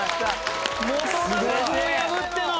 本君を破っての！